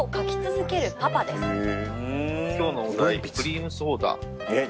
今日のお題クリームソーダ。